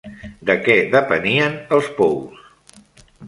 De què depenien els pous?